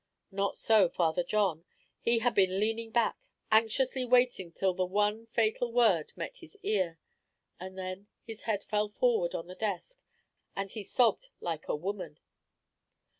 Not so Father John; he had been leaning back, anxiously waiting till the one fatal word met his ear; and then his head fell forward on the desk, and he sobbed like a woman.